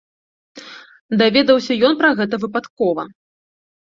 Даведаўся ён пра гэта выпадкова.